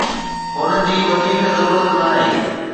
ان جي وڌيڪ ضرورت ناهي